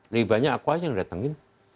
lebih banyak aku aja yang datengin